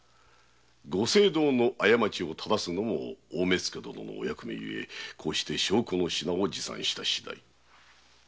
ご政道の過ちを正すのも大目付殿のお役目ゆえこうして証拠の品を持参した次第。